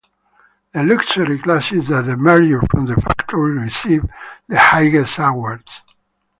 The luxury glasses that emerged from the factory received the highest awards.